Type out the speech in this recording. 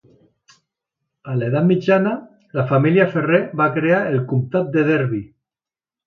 A l'edat mitjana, la família Ferrer va crear el comtat de Derby.